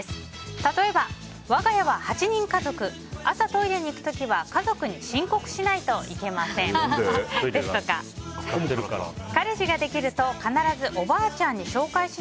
例えば、我が家は８人家族朝トイレに行く時は家族に申告しないといけませんですとか３年ぶりに復活！